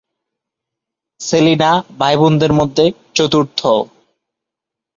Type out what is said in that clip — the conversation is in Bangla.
সেলিনা ভাইবোনদের মধ্যে চতুর্থ।